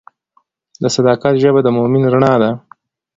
د صداقت ژبه د مؤمن رڼا ده.